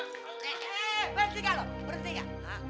eh berhenti lo berhenti ya